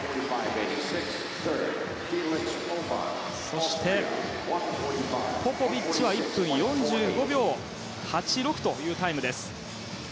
そしてポポビッチは１分４５秒８６というタイム。